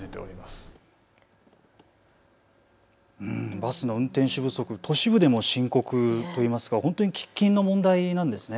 バスの運転手不足、都市部でも深刻といいますか本当に喫緊の問題なんですね。